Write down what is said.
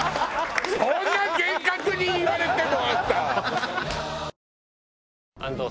そんな厳格に言われてもあんた。